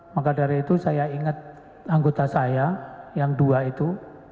maka dari itu saya ingat anggota saya yang dua itu